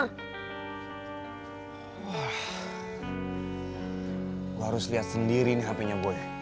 gua harus liat sendiri nih hp nya boy